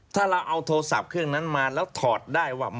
ถ้าเราเอาโทรศัพท์เครื่องนั้นมาแล้วถอดได้ว่า